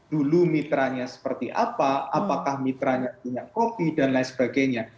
dulu mitranya seperti apa apakah mitranya punya kopi dan lain sebagainya